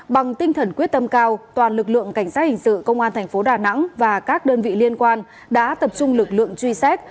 bằng tinh thần quyết tâm cao toàn lực lượng cảnh sát hình sự công an thành phố đà nẵng và các đơn vị liên quan đã tập trung lực lượng truy xét